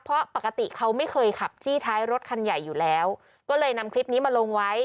เพราะปกติเขาไม่เคยขับจี้ท้ายรถคันใหญ่อยู่แล้วก็เลยนำคลิปนี้มาลงไว้